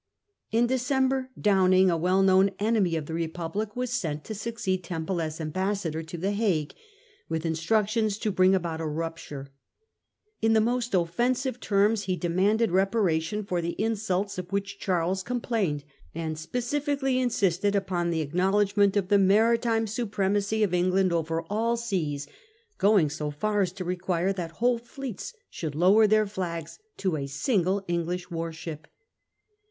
In December, Down mg, a well known enemy of the Republic, was sent to succeed Temple as ambas insuits to sador to the Hague, with instructions to bring attack on a ^ out a rup ture In the most offensive terms Smyrna he demanded reparation for the insults of which flcet * Charles complained, and specifically insisted upon the acknowledgment of the maritime supremacy of England over all seas, going so far as to require that whole fleets should lower their flags to a single English warship.